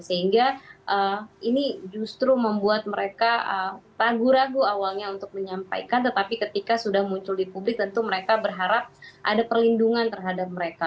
sehingga ini justru membuat mereka ragu ragu awalnya untuk menyampaikan tetapi ketika sudah muncul di publik tentu mereka berharap ada perlindungan terhadap mereka